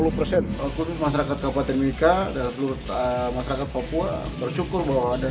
hospital kursus masyarakat kabupaten mika dan seluruh masyarakat papua bersyukur bahwa